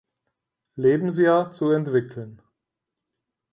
Lebensjahr zu entwickeln.